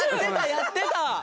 やってた！